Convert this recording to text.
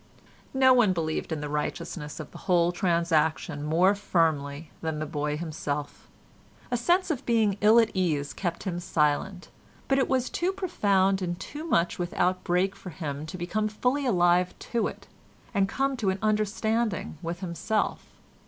No one believed in the righteousness of the whole transaction more firmly than the boy himself; a sense of being ill at ease kept him silent, but it was too profound and too much without break for him to become fully alive to it, and come to an understanding with himself.